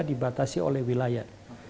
dibatasi oleh wilayah